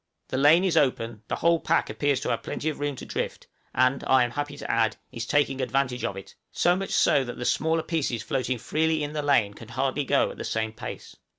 The lane is open; the whole pack appears to have plenty of room to drift, and, I am happy to add, is taking advantage of it, so much so that the smaller pieces floating freely in the lane can hardly go at the same pace.